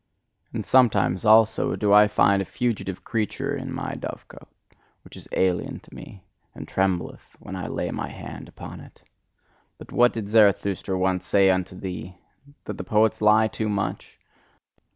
And sometimes, also, do I find a fugitive creature in my dovecote, which is alien to me, and trembleth when I lay my hand upon it. But what did Zarathustra once say unto thee? That the poets lie too much?